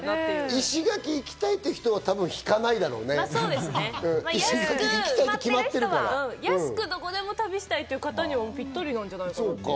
石垣、行きたいって人は引かないだろうね、安く、どこでも旅したいって方にはぴったりなんじゃないかな。